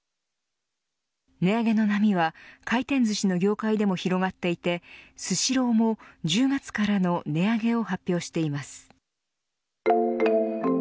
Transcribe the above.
値上げの波は、回転ずしの業界でも広がっていてスシローも１０月からの値上げを発表しています。